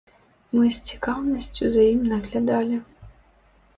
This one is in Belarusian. Мы з цікаўнасцю за ім наглядалі.